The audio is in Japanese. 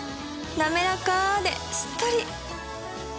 なめらかでしっとり！